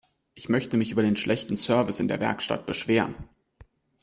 Ich möchte mich über den schlechten Service in der Werkstatt beschweren.